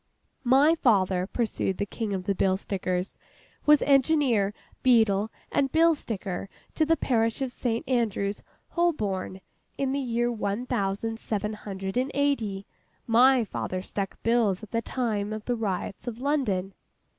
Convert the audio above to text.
'My father,' pursued the King of the Bill Stickers, 'was Engineer, Beadle, and Bill Sticker to the parish of St. Andrew's, Holborn, in the year one thousand seven hundred and eighty. My father stuck bills at the time of the riots of London.